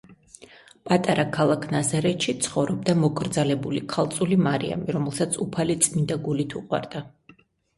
პატარა ქალაქ ნაზარეთში ცხოვრობდა მოკრძალებული ქალწული, მარიამი, რომელსაც უფალი წმინდა გულით უყვარდა.